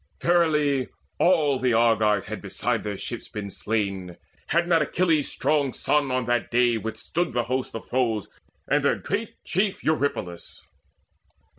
Verily all The Argives had beside their ships been slain, Had not Achilles' strong son on that day Withstood the host of foes and their great chief Eurypylus.